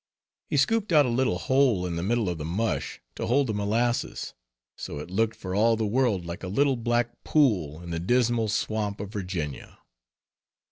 He scooped out a little hole in the middle of the mush, to hold the molasses; so it looked for all the world like a little black pool in the Dismal Swamp of Virginia.